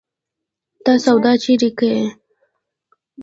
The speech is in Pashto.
ته سودا چيري کيې؟